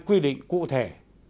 quy định cụ thể